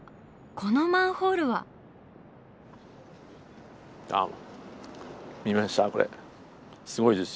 このマンホールは⁉どうも。